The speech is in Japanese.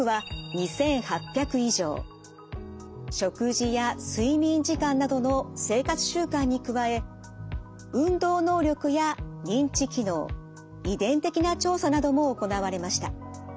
食事や睡眠時間などの生活習慣に加え運動能力や認知機能遺伝的な調査なども行われました。